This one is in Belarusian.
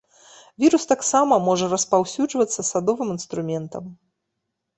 Вірус таксама можа распаўсюджвацца садовым інструментам.